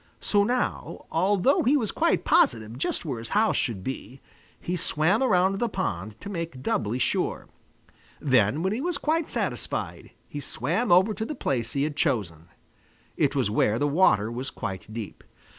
So now, although he was quite positive just where his house should be, he swam around the pond to make doubly sure. Then, when he was quite satisfied, he swam over to the place he had chosen. It was where the water was quite deep.